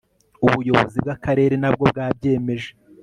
ubuyobozi bwakarere nabwo bwabyemeje